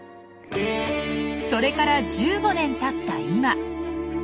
それから１５年たった今。